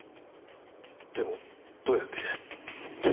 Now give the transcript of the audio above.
でもどうやって？